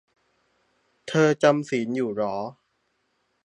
เธอจำศีลอยู่เหรอ?